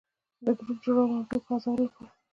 د ګپ جوړولو او ټوکو غځولو لپاره.